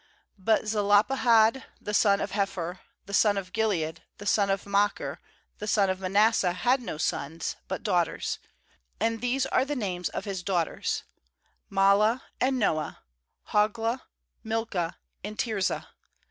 3But Ze lophehad, the son of Hepher, the son of Gilead, the son of Machir, the son of Manasseh, had no sons, but daugh ters; and these are the names of his daughters: Mahlah, and Noah, Hog lah, Milcah, and Tirzah.